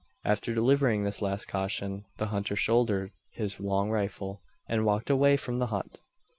After delivering this last caution, the hunter shouldered his long rifle, and walked away from the hut.